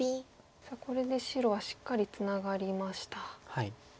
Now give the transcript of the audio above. さあこれで白はしっかりツナがりました。